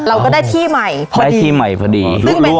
เราก็ได้ที่ใหม่พอดี